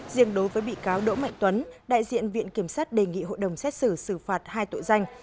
riêng đối với bị cáo đỗ mạnh tuấn đại diện viện kiểm sát đề nghị hội đồng xét xử xử phạt hai tội danh